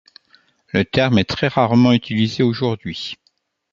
Le terme est très rarement utilisé aujourd'hui.